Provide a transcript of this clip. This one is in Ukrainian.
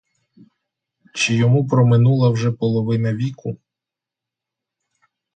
Чи йому проминула вже половина віку?